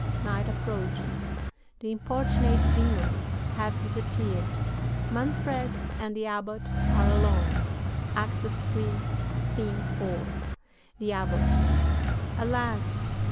Night approaches. The importunate demons have disappeared. Manfred and the Abbot are alone (Act III., Scene IV.): "THE ABBOT. Alas!